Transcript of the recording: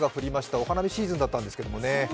お花見シーズンだったんですけどね。